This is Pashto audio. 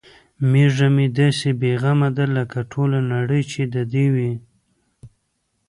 میږه مې داسې بې غمه ده لکه ټوله نړۍ چې د دې وي.